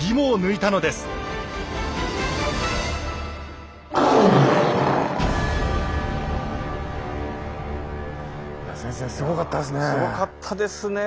いや先生すごかったですね。